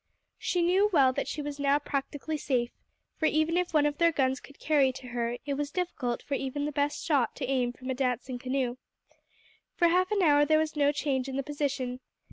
She knew well that she was now practically safe, for even if one of their guns could carry to her, it was difficult even for the best shot to aim from a dancing canoe. For half an hour there was no change in the position.